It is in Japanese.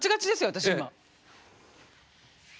私今。